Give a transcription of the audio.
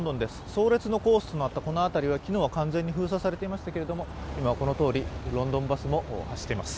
葬列のコースとなったこのあたりは昨日は完全に封鎖されていましたけれども、今はこのとおり、ロンドンバスも走っています。